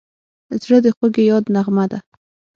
زړه د خوږې یاد نغمه ده.